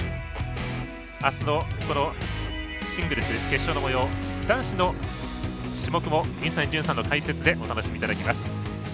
あすのシングルス決勝のもよう男子の種目も水谷隼さんの解説でお楽しみいただきます。